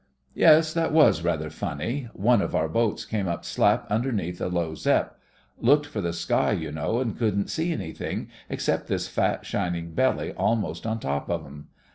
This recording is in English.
76 THE FRINGES OP THE FLEET "Yes, that was rather funny. One of our boats came up slap underneath a low Zepp. 'Looked for the sky, you know, and couldn't see anything except this fat, shining belly almost on top of 'em.